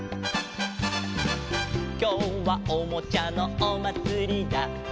「きょうはおもちゃのおまつりだ」